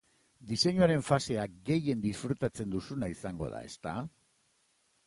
Diseinuaren fasea gehien disfrutatzen duzuna izango da, ezta?